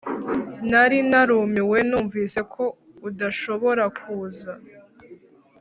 nari narumiwe numvise ko udashobora kuza